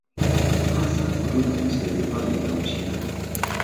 Hasa kutoka nchi za Japani na Uchina